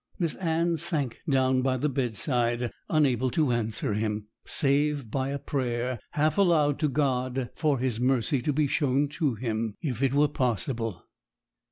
Miss Anne sank down by the bedside, unable to answer him, save by a prayer, half aloud, to God for His mercy to be shown to him, if it were possible!